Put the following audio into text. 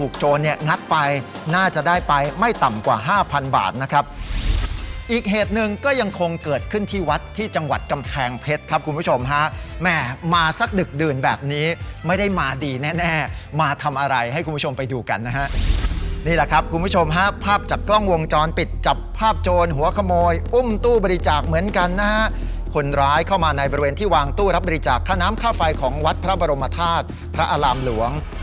กำแพงเพชรครับคุณผู้ชมฮะแหม่มาสักดึกดื่นแบบนี้ไม่ได้มาดีแน่แน่มาทำอะไรให้คุณผู้ชมไปดูกันนะฮะนี่ล่ะครับคุณผู้ชมฮะภาพจากกล้องวงจรปิดจับภาพโจรหัวขโมยอุ้มตู้บริจาคเหมือนกันนะฮะคนร้ายเข้ามาในบริเวณที่วางตู้รับบริจาคข้าน้ำค่าไฟของวัดพระบรมธาตุพระอารามหลว